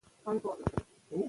په سیالانو ګاونډیانو کي پاچا وو